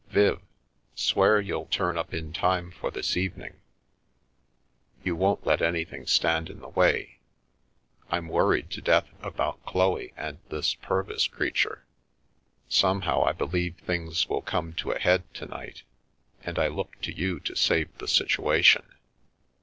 " Viv — swear you'll turn up in time for this evening? You won't let anything stand in the way? I'm worried to death about Chloe and this Purvis creature. Some how I believe things will come to a head to night. And I look to you to save the situation.